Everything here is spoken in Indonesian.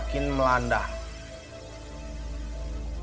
tunggu bentar ya